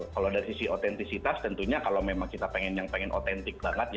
kalau dari sisi otentisitas tentunya kalau memang kita pengen membuat street food di sini ya